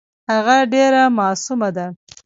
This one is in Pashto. هغه ډېره معصومه ده .